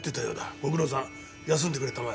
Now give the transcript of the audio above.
ご苦労さん休んでくれたまえ。